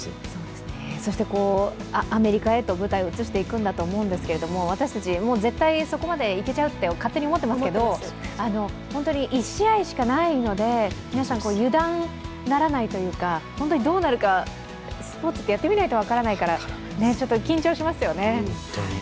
そしてアメリカへと舞台を移していくと思うんですけど私たち、もう絶対そこまで行けちゃうと勝手に思ってますけど、本当に１試合しかないので、皆さん油断ならないというかどうなるか、スポーツってやってみないと分からないからちょっと緊張しますよね。